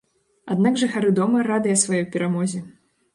Аднак жыхары дома радыя сваёй перамозе.